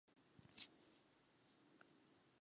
摩门教大队的信徒。